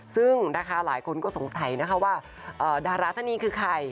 ซึ่งนะคะหลายคนก็สงสัยนะคะว่าดาราท่านนี้คือใคร